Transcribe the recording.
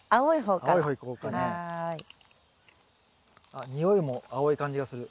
あっ匂いも青い感じがする。